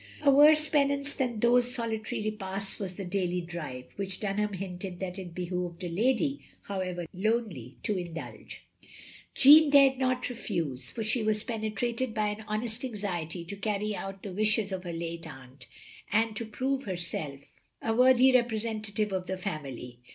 A worse penance than those solitary repasts was the daily drive, which Dunham hinted that it behooved a lady, however lonely, to indtilge. 86 THE LONELY LADY Jeanne dared not refuse, for she was penetrated by an honest anxiety to carry out the wishes of her late aunt, and to prove herself a worthy re presentative of the family.